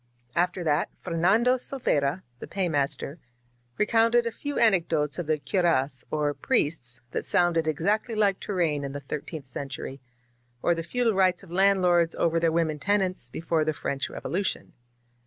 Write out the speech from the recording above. ..." After that Fernando Silveyra, the paymaster, re counted a few anecdotes of the curas, or priests, that sounded exactly like Touraine in the thirteenth cen tury, or the feudal rights of landlords over their women tenants before the French Revolution.